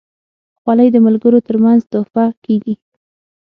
خولۍ د ملګرو ترمنځ تحفه کېږي.